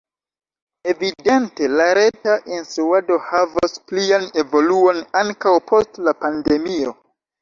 Evidente la reta instruado havos plian evoluon ankaŭ post la pandemio.